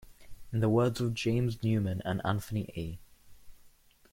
In the words of James Newman and Anthony A.